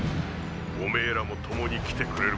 おめぇらも共に来てくれるか？